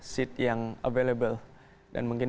seat yang available dan mungkin